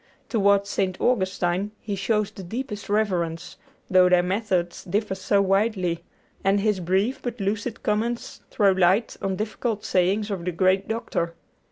Toward St. Augustine he shows the deepest reverence, though their methods differ so widely, and his brief but lucid comments throw light on difficult sayings of the great Doctor.